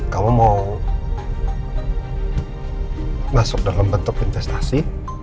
kamu mau masuk dalam bentuk investasi